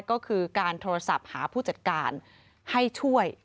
ก็คือการโทรศัพท์หาผู้จัดการให้ช่วย